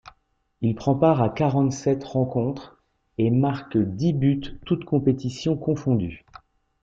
Il prend part à quarante-sept rencontres et marque dix buts toutes compétitions confondues.